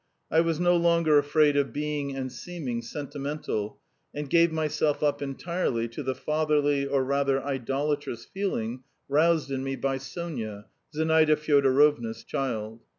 I was no longer afraid of being and seeming sentimental, and gave myself up entirely to the fatherly, or rather idolatrous feeling roused in me by Sonya, Zinaida Fyodorovna's child.